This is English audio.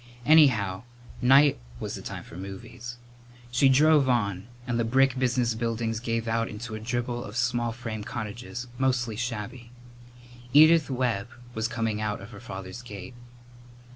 Anyhow, night was the time for movies. She drove on, and the brick business buildings gave out into a dribble of small frame cottages, mostly shabby. Edith Webb was coming out of her father's gate.